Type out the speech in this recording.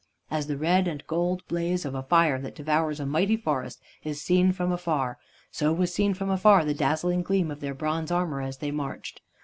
As the red and golden blaze of a fire that devours a mighty forest is seen from afar, so was seen from afar the dazzling gleam of their bronze armor as they marched.